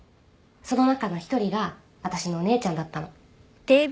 その中の１人があたしのお姉ちゃんだったの。